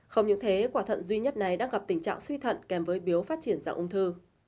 không những thế quả thận duy nhất này đã gặp tình trạng suy thận kèm với biếu phát triển dạng ung thư